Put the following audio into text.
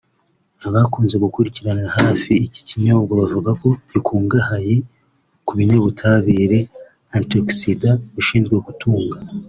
Abakunze gukurikiranira hafi iki kinyobwa bavuga ko gikungahaye ku binyabutabire(Antioxidant) bishinzwe gutunga